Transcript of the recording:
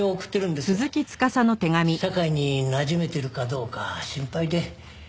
社会になじめてるかどうか心配で。